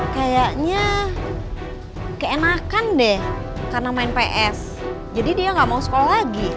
kayaknya keenakan deh karena main ps jadi dia nggak mau sekolah lagi